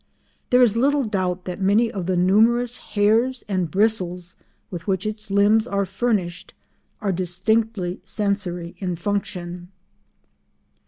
There is little doubt that many of the numerous hairs and bristles with which its limbs are furnished are distinctly sensory in function.